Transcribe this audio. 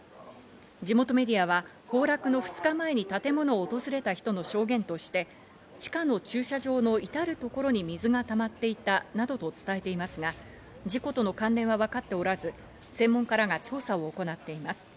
地元メディアは崩落の２日前に建物を訪れた人の証言として、地下の駐車場のいたるところに水がたまっていたなどと伝えていますが、事故との関連はわかっておらず、専門家らが調査を行っています。